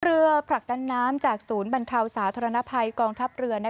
ผลักดันน้ำจากศูนย์บรรเทาสาธารณภัยกองทัพเรือ